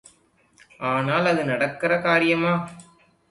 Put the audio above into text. ஆனால் அது நடக்கிற காரியமா?